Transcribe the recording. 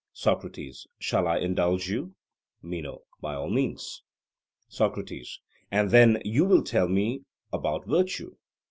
SOCRATES: Shall I indulge you? MENO: By all means. SOCRATES: And then you will tell me about virtue?